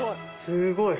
すごい！